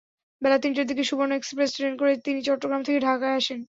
বেলা তিনটার দিকে সুবর্ণ এক্সপ্রেস ট্রেনে করে তিনি চট্টগ্রাম থেকে ঢাকায় আসেন।